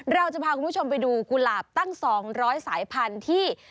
เราจะพาคุณผู้ชมไปดูกุหลาบตั้ง๒๐๐สายพันธุ์ที่